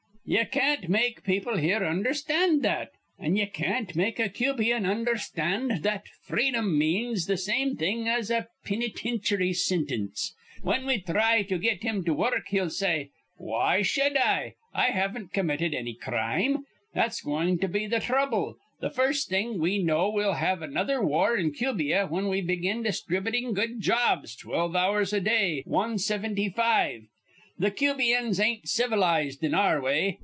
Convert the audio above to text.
"Ye can't make people here undherstand that, an' ye can't make a Cubian undherstand that freedom means th' same thing as a pinitinchry sintince. Whin we thry to get him to wurruk, he'll say: 'Why shud I? I haven't committed anny crime.' That's goin' to be th' throuble. Th' first thing we know we'll have another war in Cubia whin we begin disthributin' good jobs, twelve hours a day, wan sivinty five. Th' Cubians ain't civilized in our way.